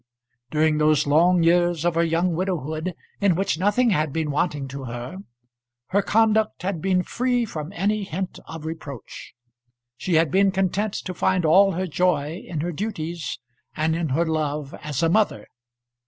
During those long years of her young widowhood in which nothing had been wanting to her, her conduct had been free from any hint of reproach. She had been content to find all her joy in her duties and in her love as a mother.